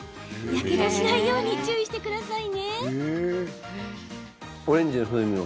やけどしないように注意してください。